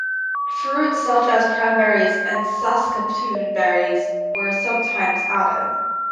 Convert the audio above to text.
Fruits such as cranberries and saskatoon berries were sometimes added.